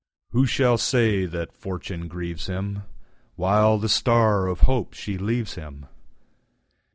Who shall say that Fortune grieves him, While the star of hope she leaves him?